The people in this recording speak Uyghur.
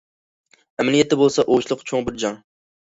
ئەمەلىيەتتە بولسا ئوۋچىلىق چوڭ بىر جەڭ.